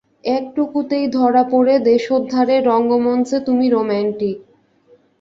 একটুকুতেই ধরা পড়ে দেশোদ্ধারের রঙ্গমঞ্চে তুমি রোম্যান্টিক।